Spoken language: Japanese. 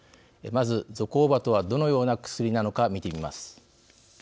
まず、ゾコーバとはどのような薬なのか見てみます。